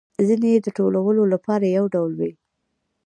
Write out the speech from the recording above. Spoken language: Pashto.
ځینې يې د ټولو لپاره یو ډول وي